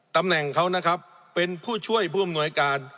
ตำแหน่งเขานะครับเป็นผู้ช่วยผู้อำนวยการ